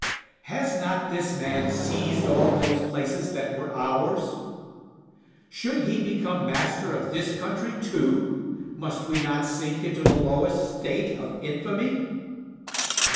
Has not this man seized all those places that were ours? Should he become master of this country too, must we not sink into the lowest state of infamy?